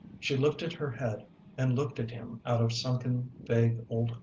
She lifted her head and looked at him out of sunken vague old eyes.